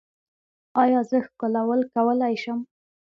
ایا زه ښکلول کولی شم؟